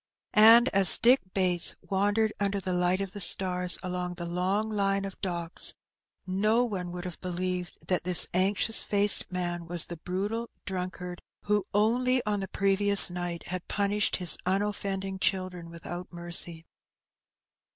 And as Dick Bates wandered under the light of the stars along the long line of docks, no 50 Her Benny. one would have believed that this anxious faced man was the brutal drunkard who only on the previous night had punished his unoffending children without mercy.